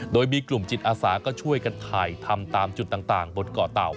โดยมีกลุ่มจิตอาสาก็ช่วยกันถ่ายทำตามจุดต่างบนเกาะเต่า